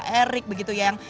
jadi wajah wajah juga dibutuhkan